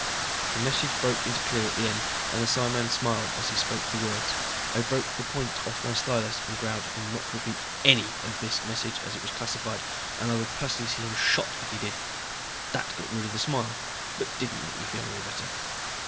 The message broke into clear at the end and the psiman smiled as he spoke the words. I broke the point off my stylus and growled at him not to repeat any of this message, as it was classified, and I would personally see him shot if he did. That got rid of the smile, but didn't make me feel any better.